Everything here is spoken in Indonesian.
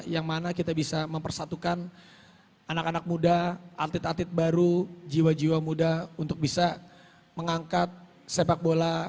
yang mana kita bisa mempersatukan anak anak muda atlet atlet baru jiwa jiwa muda untuk bisa mengangkat sepak bola